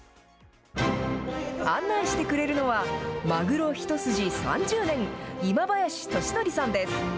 案内してくれるのは、マグロ一筋３０年、今林利則さんです。